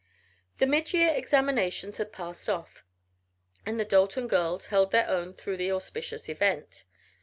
The mid year examinations had passed off, and the Dalton girls held their own through the auspicious event.